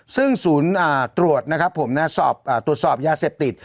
ซึ่งศูนย์ตรวจนะครับผมตรวจสอบยาเสพติด